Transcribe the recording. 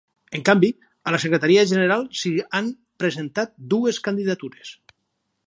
En canvi, a la secretaria general s’hi han presentat dues candidatures.